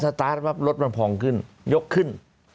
พอสตาร์ทเบิฟรถมันพองขึ้นยกขึ้น